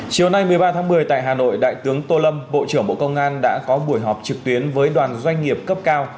chiều nay một mươi ba tháng một mươi tại hà nội đại tướng tô lâm bộ trưởng bộ công an đã có buổi họp trực tuyến với đoàn doanh nghiệp cấp cao